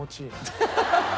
ハハハハ！